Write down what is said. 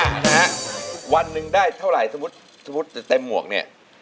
นะวันหนึ่งได้เท่าไหร่สมมุติเต็มหมวกเนี่ย